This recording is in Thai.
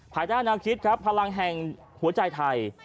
ภายใต้แนวคิดครับพลังแห่งหัวใจไทย